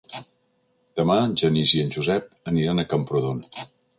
Demà en Genís i en Josep aniran a Camprodon.